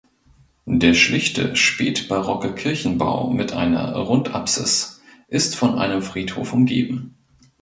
Der schlichte spätbarocke Kirchenbau mit einer Rundapsis ist von einem Friedhof umgeben.